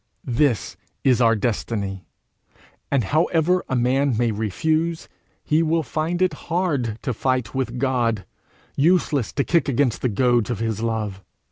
This is our destiny; and however a man may refuse, he will find it hard to fight with God useless to kick against the goads of his love.